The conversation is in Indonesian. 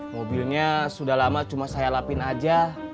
mobilnya sudah lama cuma saya lapin aja